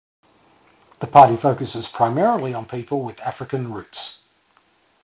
The party focuses primarily on people with African roots.